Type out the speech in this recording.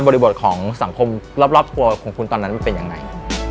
บริบทของสังคมรอบตัวของคุณตอนนั้นมันเป็นยังไง